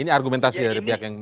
ini argumentasi dari pihak yang